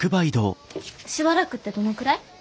しばらくってどのくらい？